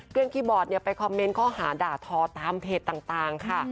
คีย์บอร์ดไปคอมเมนต์ข้อหาด่าทอตามเพจต่างค่ะ